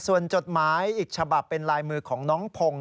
ส่วนจดหมายอีกฉบับเป็นลายมือของน้องพงศ